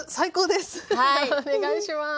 ではお願いします。